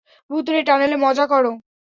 ভূতুড়ে টানেলে মজা কোরো।